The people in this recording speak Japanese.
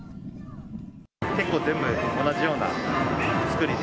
結構全部同じような造りで。